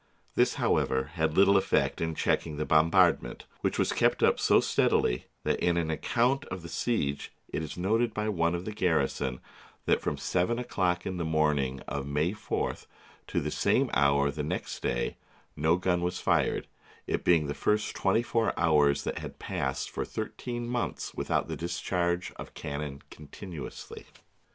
This, however, had little effect in checking the bombardment, which was kept up so steadily that in an account of the siege it is noted by one of the garrison that from THE SIEGE OF GIBRALTAR seven o'clock in the evening of May 4th to the same hour the next day no gun was fired — it being the first twenty four hours that had passed for thirteen months without the discharge of can non continuously.